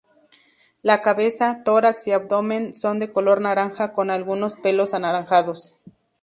La cabeza, tórax y abdomen son de color naranja con algunos pelos anaranjados.